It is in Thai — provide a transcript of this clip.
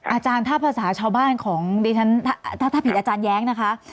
อาจารย์ถ้าผิดอาจารย์แย้งนะคะ